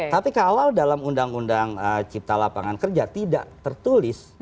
tapi kalau dalam undang undang cipta lapangan kerja tidak tertulis